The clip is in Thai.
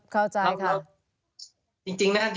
เข้าใจครับ